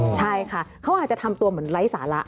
ใช่ค่ะเขาอาจจะทำตัวเหมือนไร้สาระ